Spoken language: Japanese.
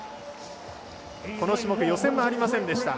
この種目予選もありませんでした。